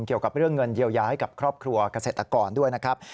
เกี่ยวกับเรื่องเงินเยียวยาให้กับครอบครัวเกษตรกรด้วยนะครับ